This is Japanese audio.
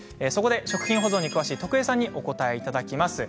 食品保存に詳しい徳江さんにお答えいただきます。